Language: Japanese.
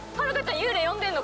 幽霊呼んでんの？